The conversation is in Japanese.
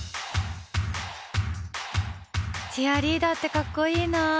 チアリーダーって格好いいな。